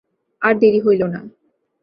আর দেরি হইল না।